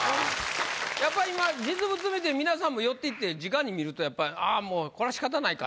やっぱ今実物見て皆さんも寄っていってじかに見ると「もうこれは仕方ないか」